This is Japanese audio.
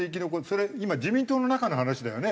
それ今自民党の中の話だよね？